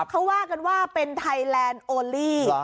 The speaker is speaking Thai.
เขาว่ากันว่าเป็นไทยแลนด์โอลี่